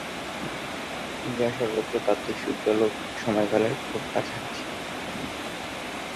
যা সর্বোচ্চ তাত্ত্বিক সূর্যালোক সময়কালের খুব কাছাকাছি।